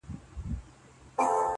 • نهار خوښ یم په ښکار نه ځم د چنګښو..